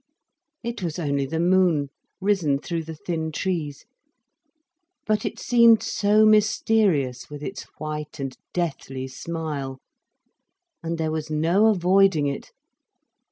It was only the moon, risen through the thin trees. But it seemed so mysterious, with its white and deathly smile. And there was no avoiding it.